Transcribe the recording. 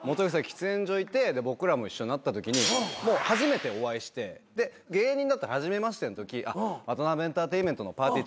喫煙所いて僕らも一緒になったときにもう初めてお会いしてで芸人だと初めましてのときワタナベエンターテインメントのぱーてぃー